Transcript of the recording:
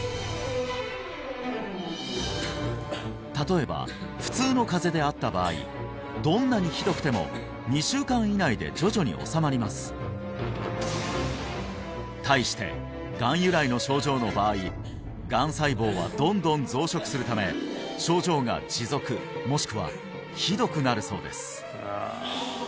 例えば普通の風邪であった場合どんなにひどくても２週間以内で徐々におさまります対してがん由来の症状の場合がん細胞はどんどん増殖するため症状が持続もしくはひどくなるそうです